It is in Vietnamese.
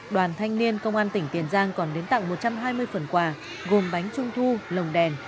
đoàn thanh niên công an tỉnh tiền giang còn đến tặng một trăm hai mươi phần quà gồm bánh trung thu lồng đèn